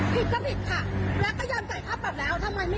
ผิดก็ผิดค่ะแล้วก็ยันใจครับแบบแล้ว